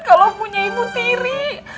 kalo punya ibu tiri